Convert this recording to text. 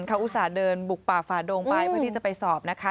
เขาอุตส่าห์เดินบุกป่าฝ่าดงไปเพื่อที่จะไปสอบนะคะ